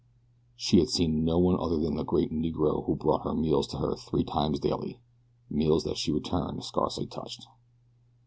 She had seen no one other than a great Negro who brought her meals to her three times daily meals that she returned scarcely touched.